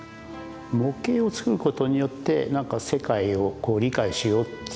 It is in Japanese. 模型を作ることによって何か世界をこう理解しようという。